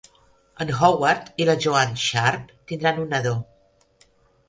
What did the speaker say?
En Howard i la Joanne Sharp tindran un nadó.